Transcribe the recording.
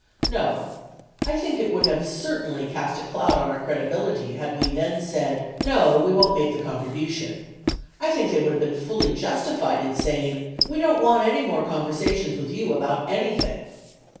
No. I think it would have certainly cast a cloud on our credibility had we then said, no, we won't make the contribution. I think they would have been fully justified in saying, we don't want any more conversations with you about anything.